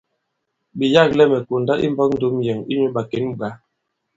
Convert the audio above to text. Ɓe yâklɛ mɛ̀ konda imbɔk ndom yɛ̀n inyū ɓàkěn ɓwǎ.